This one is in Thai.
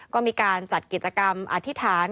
ก็มีการจัดกิจกรรมอธิษฐาน